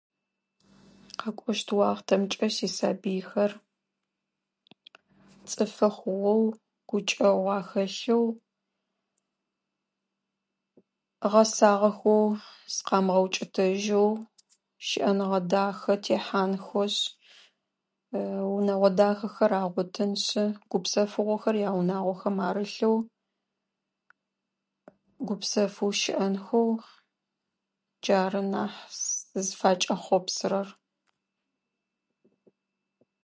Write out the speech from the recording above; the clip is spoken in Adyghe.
Къэкӏощт уахтэмкӏэ сисабыйхэр цӏыфы хъугъэу, гукӏэ уахэлъэу, гъэсагъэхэу, сыкъэмыгъэӏукӏытэжьэу шӏэныгъэ дахэ тихьанхошъ, унэгъо дахэхэр агъотыншъы, гупсэфыгъохэр яунагъохэм арылъэу, гупсэфэу шӏыӏэнхэу джары нахь сызфэкӏэхопсырэр.